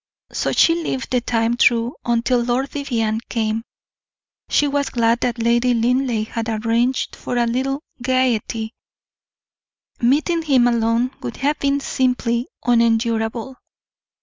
So she lived the time through until Lord Vivianne came. She was glad that Lady Linleigh had arranged for a little gayety; meeting him alone would have been simply unendurable.